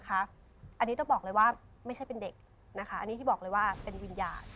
อันนี้ต้องบอกเลยว่าไม่ใช่เป็นเด็กนะคะอันนี้ที่บอกเลยว่าเป็นวิญญาณ